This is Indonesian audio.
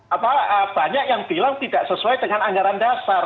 apa banyak yang bilang tidak sesuai dengan anggaran dasar